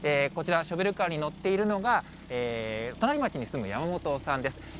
こちら、ショベルカーに乗っているのが、隣町に住む山本さんです。